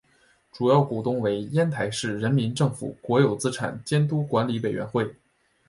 主要股东为烟台市人民政府国有资产监督管理委员会。